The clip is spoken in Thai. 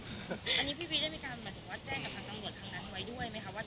อันนี้พี่พีชได้มีการแจ้งกับทางตำรวจทางนั้นไว้ด้วยไหมคะ